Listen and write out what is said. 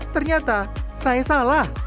ternyata saya salah